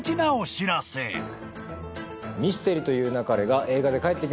『ミステリと言う勿れ』が映画で帰ってきます。